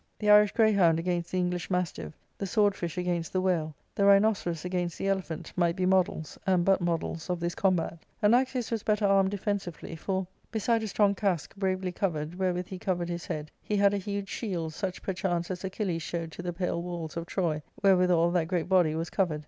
The Irish greyhound against the English mastiff, the sword fish against the whale, the rhinoceros against the elephant, might be models, and but models, of this combat. Anaxius was better armed defensively, for, beside a strong casque bravely covered,* wherewith he covered his head, he had a huge shield, such, perchance, as Achilles showed to the pale walls of Troy, wherewithal that great body was covered.